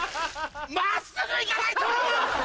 真っすぐ行かないと！